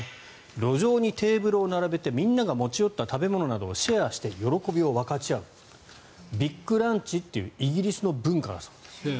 路上にテーブルを並べてみんなが持ち寄った食べ物などをシェアして喜びを分かち合うビッグランチというイギリスの文化だそうです。